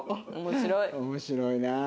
面白いな。